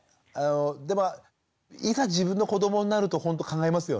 でもいざ自分の子どもになるとほんと考えますよね。